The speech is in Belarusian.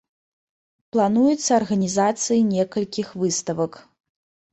Плануецца арганізацыя некалькіх выставак.